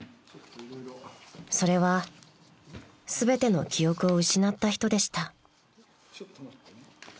［それは全ての記憶を失った人でした］